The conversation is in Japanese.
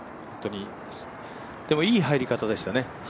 でも、いい入り方でしたね。